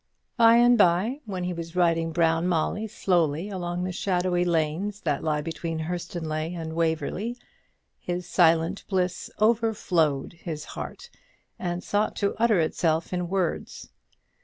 By and by, when he was riding Brown Molly slowly along the shadowy lanes that lie between Hurstonleigh and Waverly, his silent bliss overflowed his heart and sought to utter itself in words.